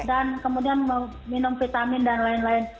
dan kemudian minum vitamin dan lain lain